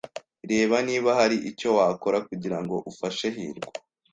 Reba niba hari icyo wakora kugirango ufashe hirwa.